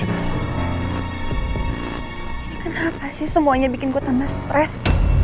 ini kenapa sih semuanya bikin gue tambah stres